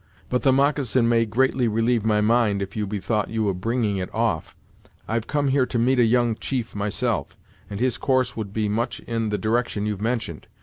But the moccasin may greatly relieve my mind, if you bethought you of bringing it off. I've come here to meet a young chief myself; and his course would be much in the direction you've mentioned.